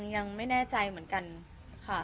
ยังไม่แน่ใจเหมือนกันค่ะ